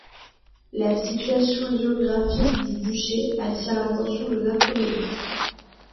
La situation géographique du duché attire l'attention de Napoléon.